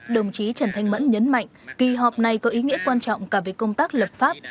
đồng chí trần thanh mẫn nhấn mạnh kỳ họp này có ý nghĩa quan trọng cả về công tác lập pháp